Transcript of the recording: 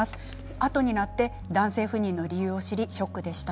あとになって男性不妊の理由を知り、ショックでした。